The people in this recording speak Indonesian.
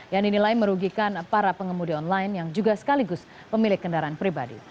yang dinilai merugikan para pengemudi online yang juga sekaligus pemilik kendaraan pribadi